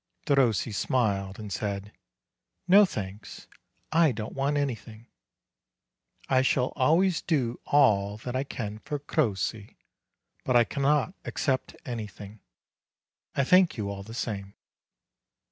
Derossi smiled, and said : "No, thanks : I don't want anything; I shall always do all that I can for Crossi, but I cannot accept anything. I thank you all the same."